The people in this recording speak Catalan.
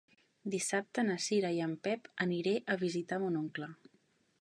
Dissabte na Cira i en Pep aniré a visitar mon oncle.